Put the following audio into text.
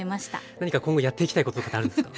何か今後やっていきたいこととかあるんですか？